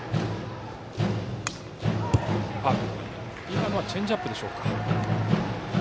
今のはチェンジアップでしょうか。